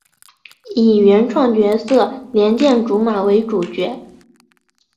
以原创角色莲见琢马为主角。